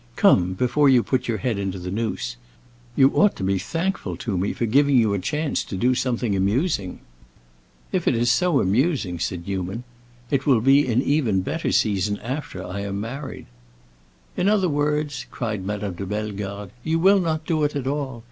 Come, before you put your head into the noose. You ought to be thankful to me for giving you a chance to do something amusing." "If it is so amusing," said Newman, "it will be in even better season after I am married." "In other words," cried Madame de Bellegarde, "you will not do it at all.